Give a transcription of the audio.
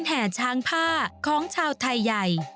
แห่ช้างผ้าของชาวไทยใหญ่